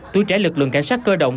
tuổi trẻ lực lượng cảnh sát cơ động